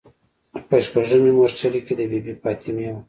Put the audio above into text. په شپږمې مورچلې کې د بي بي فاطمې و.